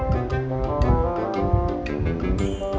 มันต้องทำอีก